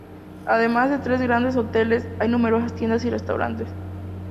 Además de tres grandes hoteles, hay numerosas tiendas y restaurantes.